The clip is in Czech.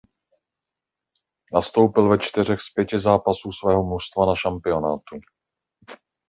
Nastoupil ve čtyřech z pěti zápasů svého mužstva na šampionátu.